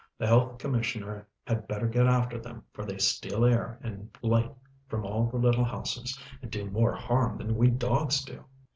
The health commissioner had better get after them, for they steal air and light from all the little houses, and do more harm than we dogs do.